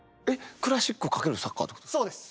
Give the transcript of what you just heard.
クラシック×サッカーっていうことですか？